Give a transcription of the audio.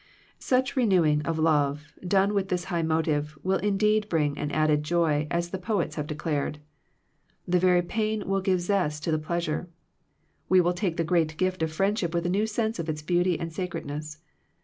Such renewing of love, done with this high motive, will indeed bring an added joy, as the poets have declared. The very pain will give zest to the pleasure. We will take the great gift of friendship with a new sense of its beauty and sa credness.